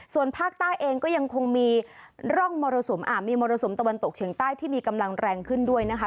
ส่วนภาคใต้เองก็ยังคงมีร่องมรสุมมีมรสุมตะวันตกเฉียงใต้ที่มีกำลังแรงขึ้นด้วยนะคะ